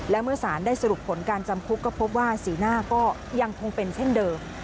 และเมื่อสารได้สรุปผลการจำคุกก็พบว่าสีหน้าก็ยังคงเป็นเช่นเดิม